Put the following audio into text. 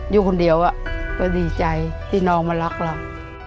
อยู่คนเดียวก็ดีใจที่น้องมารักเรา